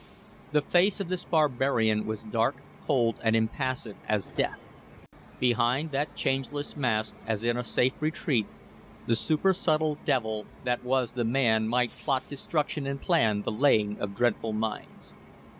The face of this barbarian was dark, cold, and impassive as death. Behind that changeless mask, as in a safe retreat, the supersubtle devil that was the man might plot destruction and plan the laying of dreadful mines.